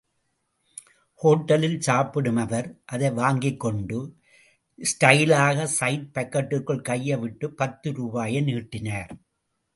ஹோட்டலில் சாப்பிடும் அவர், அதை வாங்கிக்கொண்டு, ஸ்டைலாக சைட் பாக்கெட்டிற்குள் கையை விட்டுப் பத்து ரூபாயை நீட்டினார்.